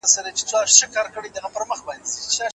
زيانمن مطالب د هغوی پر ذهن بد اغېز لري.